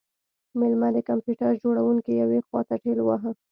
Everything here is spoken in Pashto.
میلمه د کمپیوټر جوړونکی یوې خواته ټیل واهه